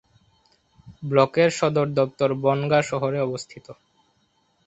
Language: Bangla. ব্লকের সদর দপ্তর বনগাঁ শহরে অবস্থিত।